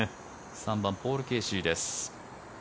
３番ポール・ケーシーです。